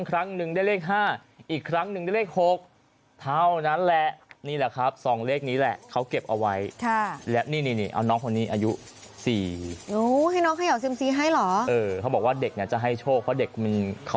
คลั้งนึงได้เลข๕อีกครั้งนึงได้เลข๖